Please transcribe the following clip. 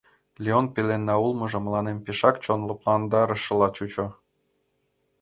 Леон пеленна улмыжо мыланем пешак чон лыпландарышыла чучо.